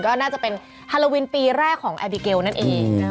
ก็น่าจะเป็นฮาโลวินปีแรกของแอบิเกลนั่นเอง